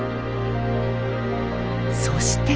そして。